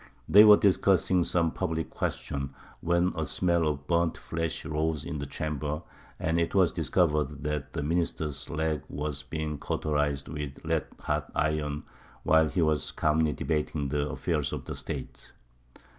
They were discussing some public question, when a smell of burnt flesh rose in the chamber, and it was discovered that the minister's leg was being cauterized with red hot iron while he was calmly debating the affairs of State!